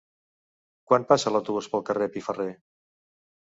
Quan passa l'autobús pel carrer Piferrer?